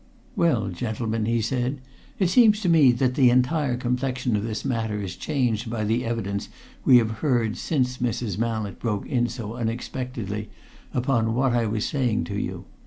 "Well, gentlemen," he said, "it seems to me that the entire complexion of this matter is changed by the evidence we have heard since Mrs. Mallett broke in so unexpectedly upon what I was saying to you.